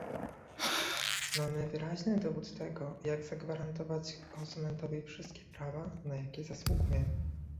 Mamy wyraźny dowód tego, jak zagwarantować konsumentowi wszystkie prawa, na jakie zasługuje